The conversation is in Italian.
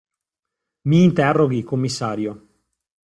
Mi interroghi, commissario!